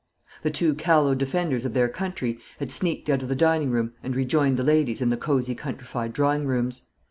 The two callow defenders of their country had sneaked out of the dining room, and rejoined the ladies in the cosy countrified drawing rooms.